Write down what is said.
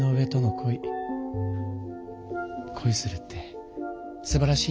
こいするってすばらしいわ。